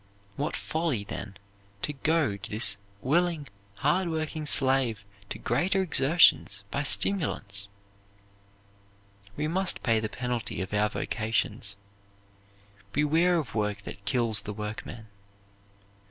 What folly, then, to goad this willing, hard working slave to greater exertions by stimulants! We must pay the penalty of our vocations. Beware of work that kills the workman.